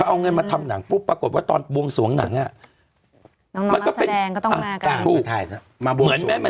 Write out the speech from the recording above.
เค้าเอาเงินมาทำหนังปุ๊บปรากฏว่าตอนบวงสวงหนังอ่ะ